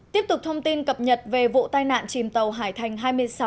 tiếp tục thông tin cập nhật về vụ tai nạn chìm tàu hải thành hai mươi sáu